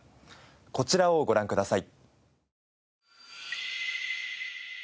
こちらをご覧ください。